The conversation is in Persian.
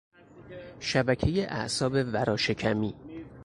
شبکهی اعصاب ورا شکمی